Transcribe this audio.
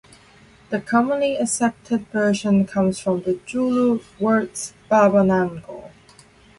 The commonly accepted version comes from the Zulu words 'baba nango'.